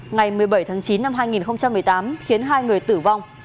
ngày một mươi bảy tháng chín năm hai nghìn một mươi tám khiến hai người tử vong